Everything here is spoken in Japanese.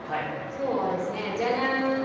今日はですねジャジャン！